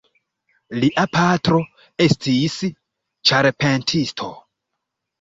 Lia patro estis ĉarpentisto.